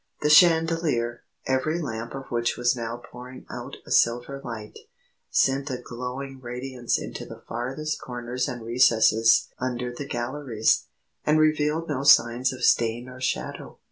The chandelier, every lamp of which was now pouring out a silver light, sent a glowing radiance into the farthest corners and recesses under the galleries, and revealed no signs of stain or shadow.